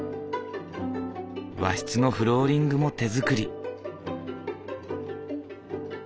和室のフローリングも手作り。